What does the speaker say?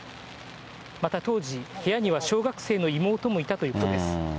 また当時、部屋には小学生の妹もいたということです。